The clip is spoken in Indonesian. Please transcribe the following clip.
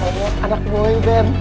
ya allah anak boy band